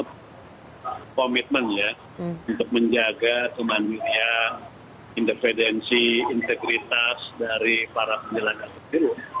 komitmennya untuk menjaga kemanusiaan independensi integritas dari para penyelenggara pemilu